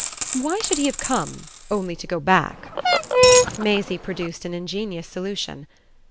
"Why should he have come only to go back?" Maisie produced an ingenious solution.